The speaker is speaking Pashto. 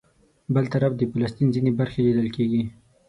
بل طرف د فلسطین ځینې برخې لیدل کېږي.